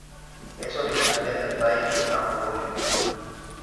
Es originaria de Altay a Mongolia.